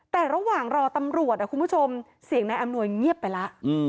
แต่ระหว่างรอตำรวจคุณผู้ชมเสียงนายอำนวยเงียบไปแล้ว